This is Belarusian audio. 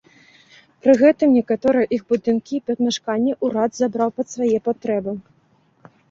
Пры гэтым, некаторыя іх будынкі і памяшканні ўрад забраў пад свае патрэбы.